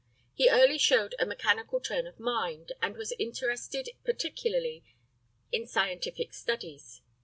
He early showed a mechanical turn of mind, and was interested particularly in scientific studies.